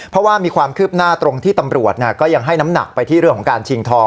เพราะว่ามีความคืบหน้าตรงที่ตำรวจก็ยังให้น้ำหนักไปที่เรื่องของการชิงทอง